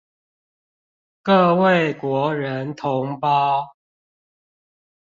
各位國人同胞